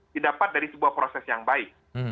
didapat dari sebuah proses yang baik